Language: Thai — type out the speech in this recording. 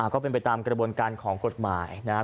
ก็เป็นไปตามกระบวนการของกฎหมายนะครับ